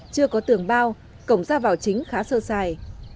chưa có tường bao cổng ra vào chính khá sơ sài